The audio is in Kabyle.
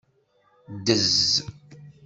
Ddez.